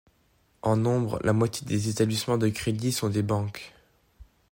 En nombre, la moitié des établissements de crédit sont des banques.